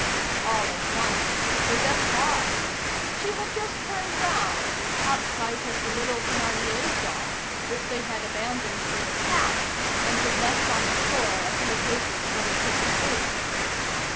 All at once, Cosette paused; she had just turned round and caught sight of the little Thénardiers' doll, which they had abandoned for the cat and had left on the floor a few paces from the kitchen table.